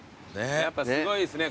やっぱすごいですね。